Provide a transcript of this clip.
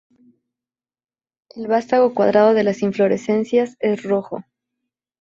El vástago cuadrado de las inflorescencias es rojo.